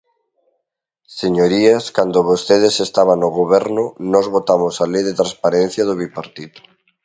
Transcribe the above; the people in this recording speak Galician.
Señorías, cando vostedes estaban no Goberno, nós votamos a Lei de transparencia do bipartito.